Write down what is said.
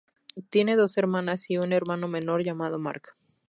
Tiene dos hermanas y un hermano menor llamado Mark.